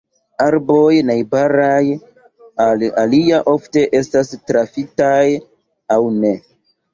Arboj najbaraj al alia ofte estas trafitaj aŭ ne.